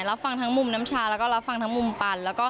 รับฟังทั้งมุมน้ำชาแล้วก็รับฟังทั้งมุมปัน